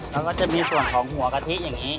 แล้วก็จะมีส่วนของหัวกะทิอย่างนี้